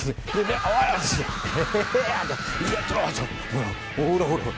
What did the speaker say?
ほらほらほらほら。